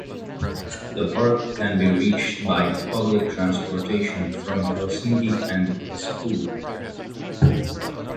The park can be reached by public transportation from Helsinki and Espoo.